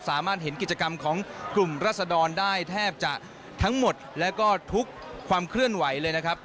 สามารถเห็นกิจกรรมของกลุ่มรัศดรได้แทบจะทั้งหมดแล้วก็ทุกความเคลื่อนไหวเลยนะครับ